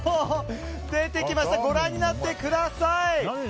ご覧になってください。